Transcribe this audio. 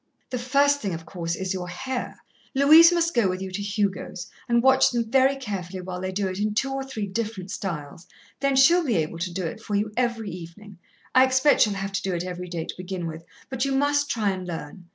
"The first thing, of course, is your hair. Louise must go with you to Hugo's, and watch them very carefully while they do it in two or three different styles, then she'll be able to do it for you every evening. I expect she'll have to do it every day to begin with, but you must try and learn.